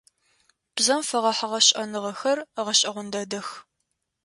Бзэм фэгъэхьыгъэ шӏэныгъэхэр гъэшӏэгъон дэдэх.